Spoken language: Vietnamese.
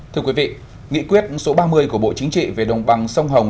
thưa quý vị nghị quyết số ba mươi của bộ chính trị về đồng bằng sông hồng